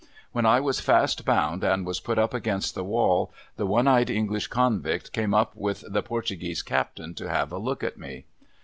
U'hen I was fast bound and was put up against tbe wall, tbe one eyed English convict came up with the I'ortuguesc Captain, to have a look at me.